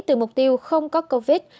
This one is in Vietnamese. từ mục tiêu không có covid một mươi chín